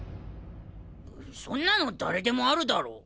そんなの誰でもあるだろ。